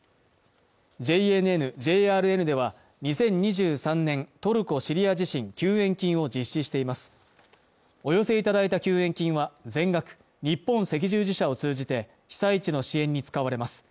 ＪＮＮ・ＪＲＮでは２０２３年トルコ・シリア地震救援金を実施していますお寄せいただいた救援金は全額日本赤十字社を通じて被災地の支援に使われます